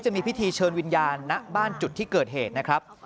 จะมีพิธีเชิญวิญญาณณบ้านจุดที่เกิดเหตุนะครับ